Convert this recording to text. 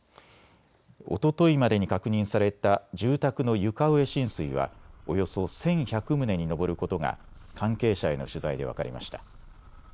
おとといまでに確認された住宅の床上浸水はおよそ１１００棟に上ることが関係者への取材で分かりました。